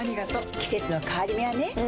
季節の変わり目はねうん。